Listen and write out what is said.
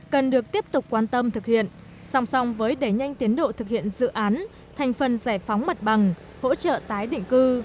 cần được tiếp tục quan tâm thực hiện song song với đẩy nhanh tiến độ thực hiện dự án thành phần giải phóng mặt bằng hỗ trợ tái định cư